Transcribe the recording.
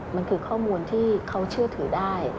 มันคือข้อมูลที่เขาเชื่อถือได้